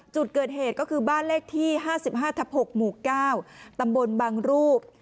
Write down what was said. จุดเกิดเหตุก็คือบ้านเลขที่ห้าสิบห้าทับหกหมู่เก้าตำบลบางรูป